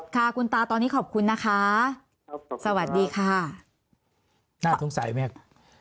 ค่ะคุณตาตอนนี้ขอบคุณนะคะครับสวัสดีค่ะน่าสงสัยมาก